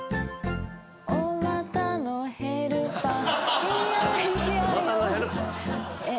おまたのヘルパー？